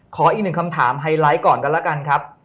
อีกหนึ่งคำถามไฮไลท์ก่อนกันแล้วกันครับ